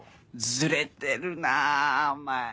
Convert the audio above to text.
ズレてるなお前。